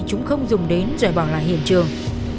chúng không dùng đến rồi bỏ lại hiện trường